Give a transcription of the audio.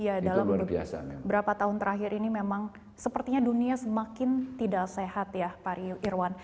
iya dalam beberapa tahun terakhir ini memang sepertinya dunia semakin tidak sehat ya pak rio irwan